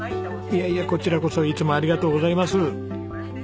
いやいやこちらこそいつもありがとうございます。